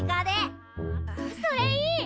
それいい！